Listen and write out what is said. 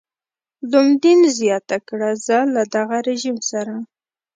لومدین زیاته کړه زه له دغه رژیم سره.